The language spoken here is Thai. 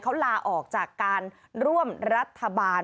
เขาลาออกจากการร่วมรัฐบาล